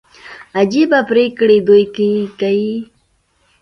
عجبه پرېکړي دوى کيي.